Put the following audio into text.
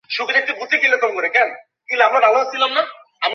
এ পৌরসভার প্রশাসনিক কার্যক্রম ভোলা সদর থানার আওতাধীন।